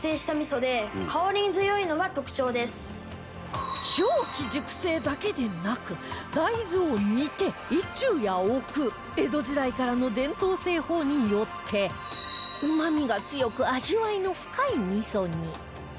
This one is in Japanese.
長期熟成だけでなく大豆を煮て一昼夜置く江戸時代からの伝統製法によってうまみが強く味わいの深い味噌に